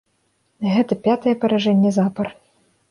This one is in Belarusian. Гэта пятае паражэнне запар.